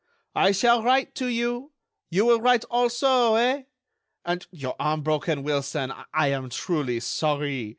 I shall write to you.... You will write also, eh? And your arm broken, Wilson.... I am truly sorry....